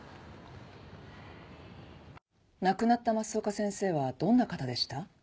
亡くなった増岡先生はどんな方でした？